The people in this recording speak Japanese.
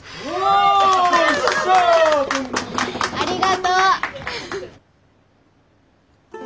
ありがとう。